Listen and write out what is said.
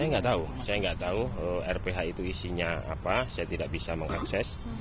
saya nggak tahu saya nggak tahu rph itu isinya apa saya tidak bisa mengakses